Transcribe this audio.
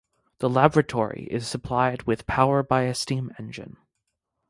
The laboratory is supplied with power by a steam engine.